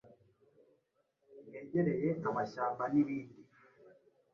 hegereye amashyamba n’ibindi.